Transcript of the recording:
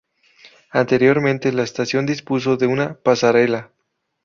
Anteriormente la estación dispuso de una pasarela.